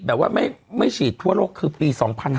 แบบว่าไม่ฉีดทั่วโลกคือปี๒๕๕๙